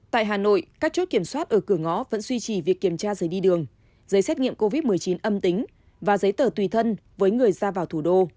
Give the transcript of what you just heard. tại hà nội các chốt kiểm soát ở cửa ngõ vẫn duy trì việc kiểm tra giấy đi đường giấy xét nghiệm covid một mươi chín âm tính và giấy tờ tùy thân với người ra vào thủ đô